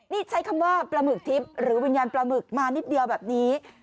นี่ใช้คำว่าปลาหมึกทิพย์หรือวิญญาณปลาหมึกมานิดเดียวแบบนี้